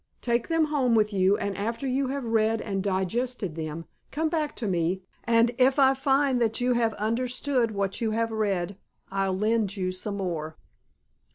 Take them home with you, and after you have read and digested them come back to me, and if I find that you have understood what you have read I'll lend you some more."